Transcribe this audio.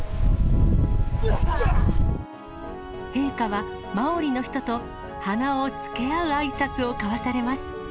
陛下はマオリの人と鼻をつけ合うあいさつを交わされます。